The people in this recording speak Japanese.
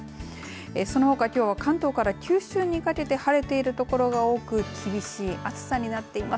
そのほか、きょうは関東から九州にかけて晴れているところが多く厳しい暑さになっています。